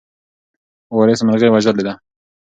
وارث مرغۍ وژلې ده.